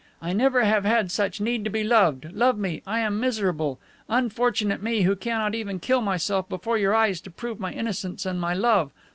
I never have had such need to be loved. Love me! I am miserable. Unfortunate me, who cannot even kill myself before your eyes to prove my innocence and my love.